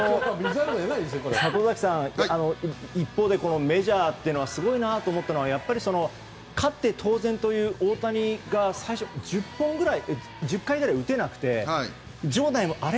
里崎さん、一方でメジャーってすごいなと思ったのが勝って当然という大谷が最初１０回ぐらい打てなくて、場内もあれ？